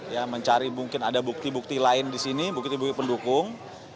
yang mencari mungkin ada bukti bukti lain di sini bukti bukti pendukung